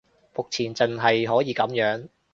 目前淨係可以噉樣